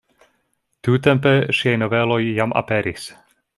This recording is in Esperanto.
Tiutempe ŝiaj noveloj jam aperis.